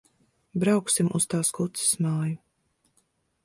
Brauksim uz tās kuces māju.